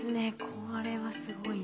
これはすごいな。